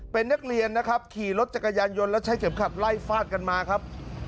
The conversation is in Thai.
เป็นนักเรียนนะครับขี่รถจักรยานยนต์แล้วใช้เข็มขัดไล่ฟาดกันมาครับ